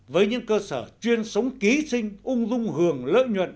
với những cơ sở chuyên sống ký sinh ung dung hưởng lợi nhuận